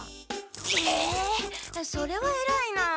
へえそれはえらいなあ。